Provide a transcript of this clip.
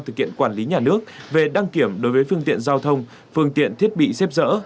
thực hiện quản lý nhà nước về đăng kiểm đối với phương tiện giao thông phương tiện thiết bị xếp dỡ